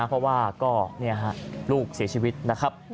เพราะว่าก็ลูกเสียชีวิตนะครับ